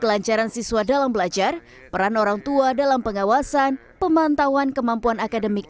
kelancaran siswa dalam belajar peran orang tua dalam pengawasan pemantauan kemampuan akademik